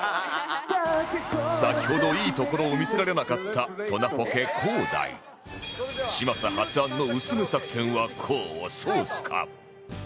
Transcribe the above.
先ほどいいところを見せられなかったソナポケ ｋｏ−ｄａｉ嶋佐発案のうす目作戦は功を奏すか？